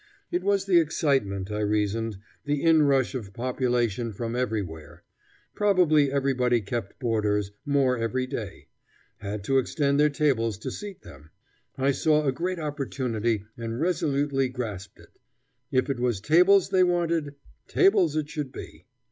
It was the excitement, I reasoned, the inrush of population from everywhere; probably everybody kept boarders, more every day; had to extend their tables to seat them. I saw a great opportunity and resolutely grasped it. If it was tables they wanted, tables it should be.